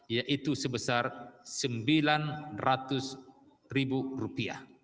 yaitu sebesar rp sembilan ratus